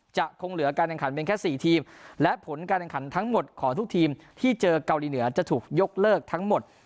จะคงเหลือการแข่งขันเป็นแค่๔ทีมและผลการแข่งขันทั้งหมดของทุกทีมที่เจอเกาหลีเหนือจะถูกยกเลิกทั้งหมด